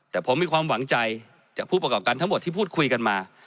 แต่ผมมีความหวังใจจากผู้ประกอบการทั้งหมดที่พูดคุยกันมา